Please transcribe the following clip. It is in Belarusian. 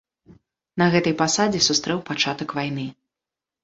На гэтай пасадзе сустрэў пачатак вайны.